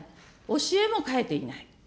教えも変えていない。